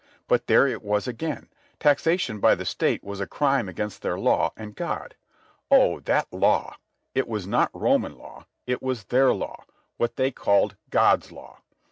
But there it was again. Taxation by the State was a crime against their law and God. Oh, that Law! It was not the Roman law. It was their law, what they called God's law.